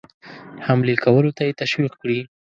حملې کولو ته یې تشویق کړي.